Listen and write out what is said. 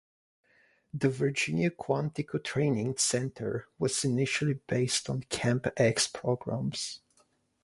The Virginia Quantico training center was initially based on Camp X programs.